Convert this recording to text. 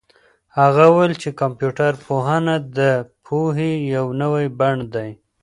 هغه وویل چي کمپيوټر پوهنه د پوهې یو نوی بڼ دی.